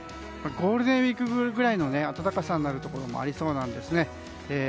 ゴールデンウィークぐらいの暖かさになるところもありそうなんですね。